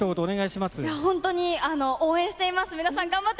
ちょっ本当に応援しています。